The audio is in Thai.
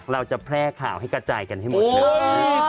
เราจะแพร่ข่าวให้กระจายกันให้หมดเลย